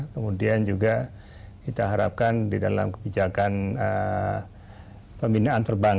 kemudian juga kita harapkan di dalam kebijakan kita bisa mendorong program program berjalan dengan baik